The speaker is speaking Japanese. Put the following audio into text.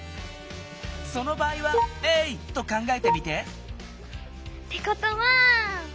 その場合は０と考えてみて！ってことは。